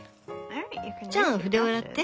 じゃあ筆を洗って。